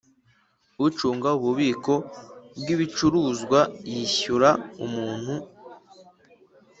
Ucunga ububiko bw ibicuruzwa yishyura umuntu